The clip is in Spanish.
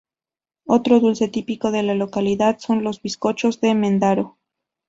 Otro dulce típico de la localidad son los "Bizcochos de Mendaro".